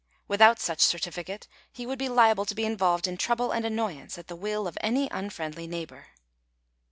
Without such certificate he would be liable to be involved in trouble and annoyance at the will of any unfriendly neighbour.